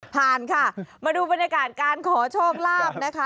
ผ่านค่ะมาดูบรรยากาศการขอโชคลาภนะคะ